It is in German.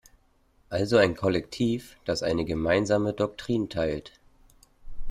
Also ein Kollektiv, das eine gemeinsame Doktrin teilt.